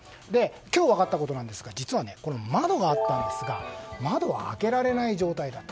今日分かったことなんですが実は窓があったんですが窓は開けられない状態だった。